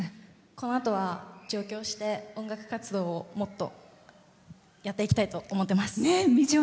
このあとは上京して音楽活動をもっとやっていきたいと思ってます。